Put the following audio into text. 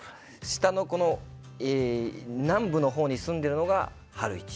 下のこの南部の方に住んでるのが晴一。